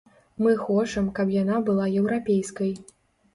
Мы хочам каб яна была еўрапейскай.